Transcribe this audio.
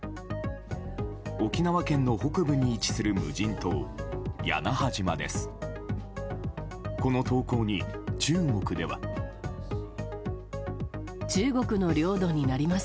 沖縄県の北部に位置する無人島屋那覇島です。